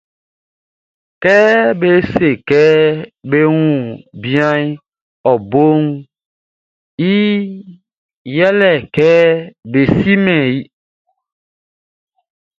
Kɛ be se kɛ be wun bianʼn, i boʼn yɛle kɛ be simɛn i.